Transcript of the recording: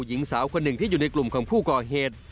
หญิงสาวคนหนึ่งที่อยู่ในกลุ่มของผู้ก่อเหตุ